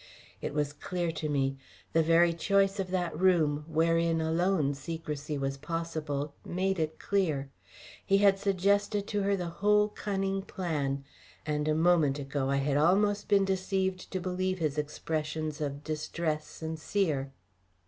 It was clear to me. The very choice of that room, wherein alone secrecy was possible, made it clear. He had suggested to her the whole cunning plan; and a moment ago I had almost been deceived to believe his expressions of distress sincere!